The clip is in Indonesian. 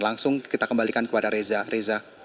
langsung kita kembalikan kepada reza reza